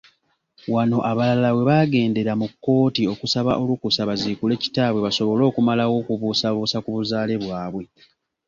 Wano abalala webaagendera mu kkooti okusaba olukusa baziikula kitaabwe basobole okumalawo okubuusabussa kubuzaale bwabwe.